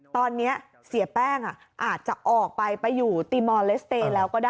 ตอนนี้เสียแป้งอาจจะออกไปไปอยู่ตีมอลเลสเตย์แล้วก็ได้